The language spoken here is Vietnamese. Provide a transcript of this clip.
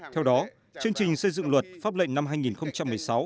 theo đó chương trình xây dựng luật pháp lệnh năm hai nghìn một mươi sáu